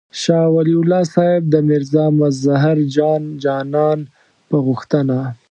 شاه ولي الله صاحب د میرزا مظهر جان جانان په غوښتنه.